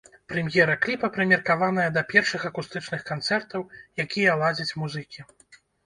Прэм'ера кліпа прымеркаваная да першых акустычных канцэртаў, якія ладзяць музыкі.